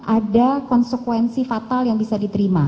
ada konsekuensi fatal yang bisa diterima